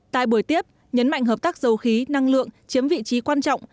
tại buổi tiếp nhấn mạnh hợp tác dầu khí năng lượng chiếm vị trí quan trọng